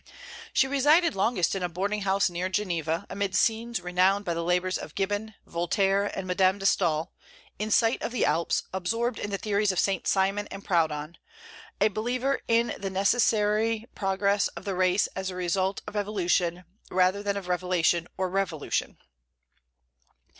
She resided longest in a boarding house near Geneva, amid scenes renowned by the labors of Gibbon, Voltaire, and Madame de Staël, in sight of the Alps, absorbed in the theories of St. Simon and Proudhon, a believer in the necessary progress of the race as the result of evolution rather than of revelation or revolution.